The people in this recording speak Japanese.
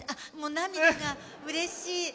涙がうれしい。